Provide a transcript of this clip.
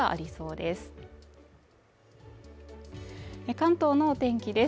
関東のお天気です。